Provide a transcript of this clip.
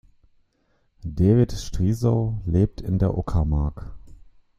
Devid Striesow lebt in der Uckermark.